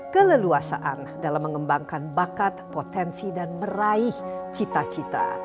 keleluasaan dalam mengembangkan bakat potensi dan meraih cita cita